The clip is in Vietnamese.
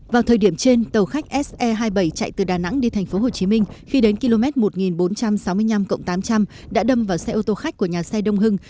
vào thời điểm trên tàu khách se hai mươi bảy chạy từ đà nẵng đi tp hcm khi đến km một nghìn bốn trăm sáu mươi năm tám trăm linh đã đâm vào xe ô tô khách của nhà xe đông hưng